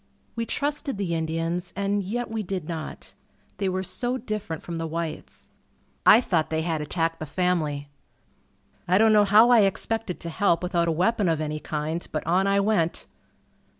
We trusted the Indians and yet we did not. They were so different from the whites. I thought they had attacked the family. I don't know how I expected to help without a weapon of any kind, but on I went.